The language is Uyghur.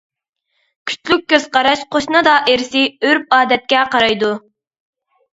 كۈچلۈك كۆز قاراش قوشنا دائىرىسى ئۆرپ-ئادەتكە قارايدۇ.